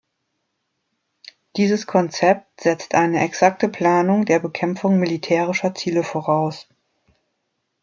Dieses Konzept setzt eine exakte Planung der Bekämpfung militärischer Ziele voraus.